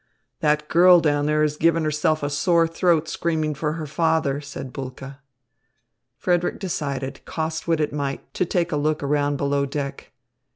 "That girl down there is giving herself a sore throat screaming for her father," said Bulke. Frederick decided, cost what it might, to take a look around below deck.